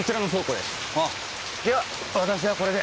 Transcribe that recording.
では私はこれで。